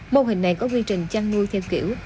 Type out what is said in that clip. mô hình này có quy trình chăn nuôi theo kiểu